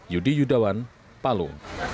yudi yudawan palu